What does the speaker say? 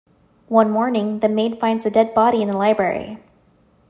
One morning, the maid finds a dead body in the library.